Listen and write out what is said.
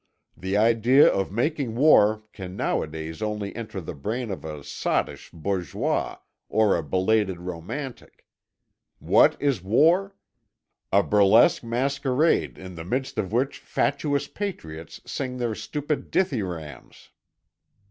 The idea of making war can nowadays only enter the brain of a sottish bourgeois or a belated romantic. What is war? A burlesque masquerade in the midst of which fatuous patriots sing their stupid dithyrambs.